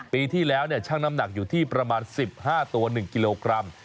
ปีที่แล้วช่างน้ำหนักอยู่ที่ประมาณ๑๕ตัว๑กิโลกรัม